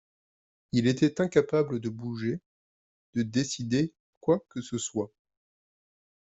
Il était incapable de bouger, de décider quoi que ce soit.